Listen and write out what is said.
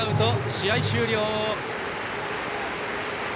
試合終了。